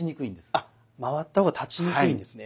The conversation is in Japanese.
あ回った方が立ちにくいんですね。